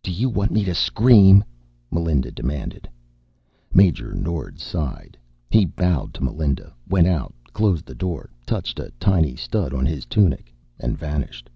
"Do you want me to scream?" Melinda demanded. Major Nord sighed. He bowed to Melinda, went out, closed the door, touched a tiny stud on his tunic, and vanished.